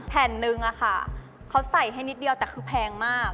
แผ่นนึงอะค่ะเขาใส่ให้นิดเดียวแต่คือแพงมาก